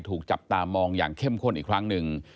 ถูกจับตามองอย่างเข้มข้นอีกครั้งหนึ่ง